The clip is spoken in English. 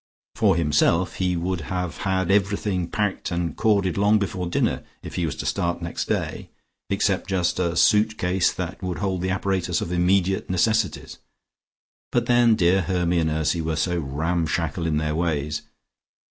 For himself, he would have had everything packed and corded long before dinner, if he was to start next day, except just a suit case that would hold the apparatus of immediate necessities, but then dear Hermy and Ursy were so ramshackle in their ways.